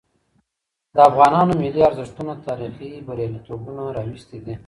د افغانانو ملي ارزښتونه تاريخي برياليتوبونه راوستي دي.